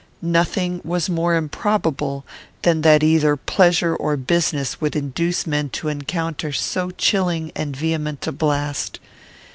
Nothing was more improbable than that either pleasure or business would induce men to encounter so chilling and vehement a blast.